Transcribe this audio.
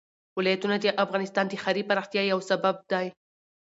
ولایتونه د افغانستان د ښاري پراختیا یو سبب دی.